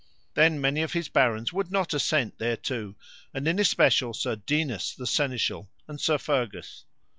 Then many of his barons would not assent thereto, and in especial Sir Dinas, the Seneschal, and Sir Fergus.